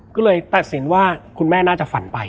ก็เลยตัดสินว่าคุณแม่น่าจะฝันไป